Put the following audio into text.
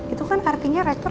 itu kan artinya rektor